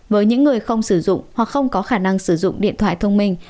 với những người không sử dụng hoặc không có khả năng sử dụng điện thoại thông minh